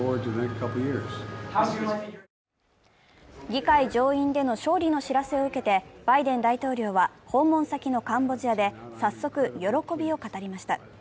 議会上院での勝利の知らせを受けてバイデン大統領は、訪問先のカンボジアで早速、喜びを語りました。